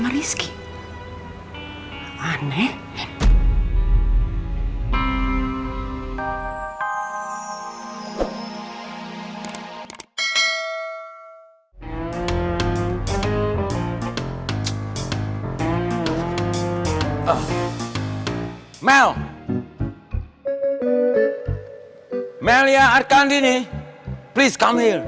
yes kenapa pak